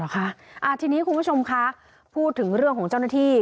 อ๋อเหรอคะอ่าทีนี้คุณผู้ชมคะพูดถึงเรื่องของเจ้าหน้าที่